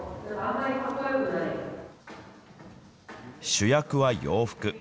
主役は洋服。